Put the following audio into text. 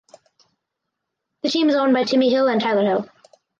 The team is owned by Timmy Hill and Tyler Hill.